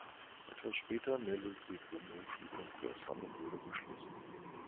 Etwas später meldete die Promotion Konkurs an und wurde geschlossen.